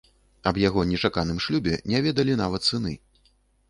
Аб яго нечаканым шлюбе не ведалі нават сыны.